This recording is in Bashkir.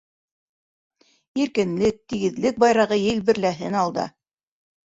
Иркенлек, тигеҙлек байрағы елберләһен алда.